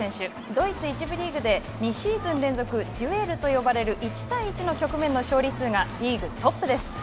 ドイツ１部リーグで２シーズン連続デュエルと呼ばれる１対１の局面の勝利数がリーグトップです。